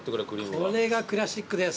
これがクラシックです。